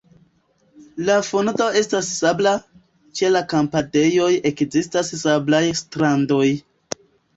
La fundo estas sabla, ĉe la kampadejoj ekzistas sablaj strandoj.